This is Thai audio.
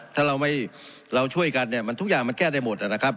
ถ้าเราไม่เราช่วยกันเนี่ยมันทุกอย่างมันแก้ได้หมดนะครับ